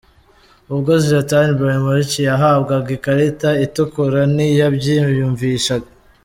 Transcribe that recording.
Ubwo Zlatan Ibrahimovic yahabwaga ikarita itukura ntiyabyiyumvishaga.